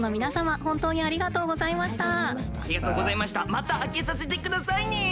また開けさせて下さいね。